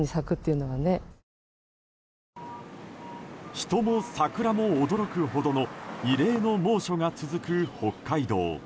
人も桜も驚くほどの異例の猛暑が続く北海道。